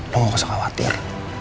lo gak usah khawatir